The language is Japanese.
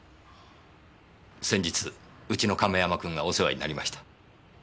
先日うちの亀山君がお世話になりました。